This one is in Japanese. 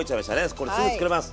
これすぐ作れます。